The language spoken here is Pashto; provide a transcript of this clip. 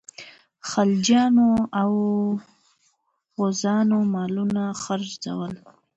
خلجیانو او غوزانو مالونه څرول.